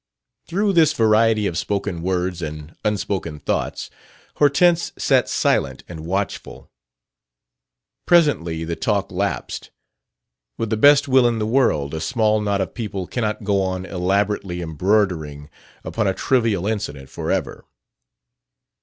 Through this variety of spoken words and unspoken thoughts Hortense sat silent and watchful. Presently the talk lapsed: with the best will in the world a small knot of people cannot go on elaborately embroidering upon a trivial incident forever.